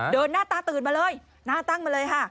หน้าตาตื่นมาเลยหน้าตั้งมาเลยค่ะ